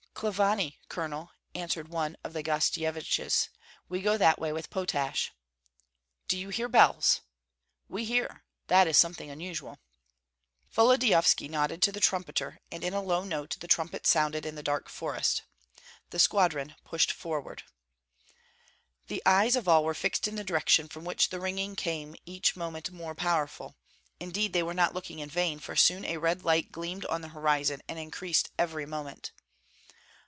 "Klavany, Colonel," answered one of the Gostsyeviches; "we go that way with potash." "Do you hear bells?" "We hear! That is something unusual." Volodyovski nodded to the trumpeter, and in a low note the trumpet sounded in the dark forest. The squadron pushed forward. The eyes of all were fixed in the direction from which the ringing came each moment more powerful; indeed they were not looking in vain, for soon a red light gleamed on the horizon and increased every moment.